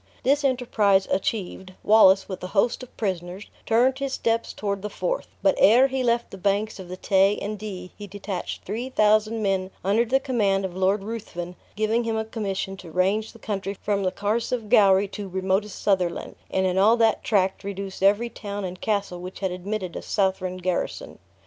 This enterprise achieved, Wallace, with a host of prisoners, turned his steps toward the Forth; but ere he left the banks of the Tay and Dee, he detached three thousand men under the command of Lord Ruthven, giving him a commission to range the country from the Carse of Gowrie to remotest Sutherland, and in all that tract reduce every town and castle which had admitted a Southron garrison.